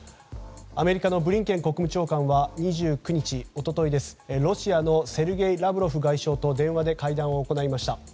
アメリカのブリンケン国務長官は２９日、ロシアのセルゲイ・ラブロフ外相と電話で会談を行いました。